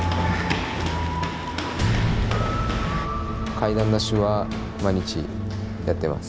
階段ダッシュは毎日やってます。